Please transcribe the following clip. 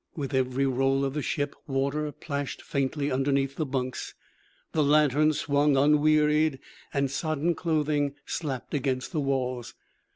With every roll of the ship, water plashed faintly underneath the bunks. The lantern swung unwearied, and sodden clothing slapped against the walls.